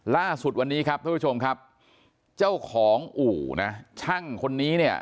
ล่าสุดวันนี้ครับท่านผู้ชมครับเจ้าของอู่นะช่างคนนี้เนี่ย